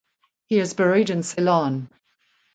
He is buried in Ceylon.